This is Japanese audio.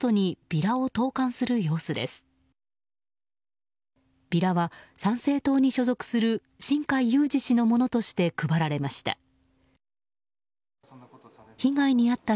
ビラは、参政党に所属する新開裕司氏のものとして配られました。